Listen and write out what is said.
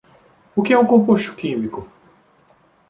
O que é um composto químico?